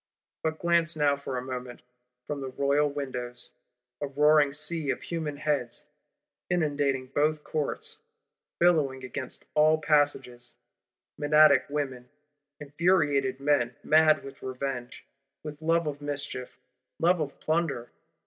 But glance now, for a moment, from the royal windows! A roaring sea of human heads, inundating both Courts; billowing against all passages: Menadic women; infuriated men, mad with revenge, with love of mischief, love of plunder!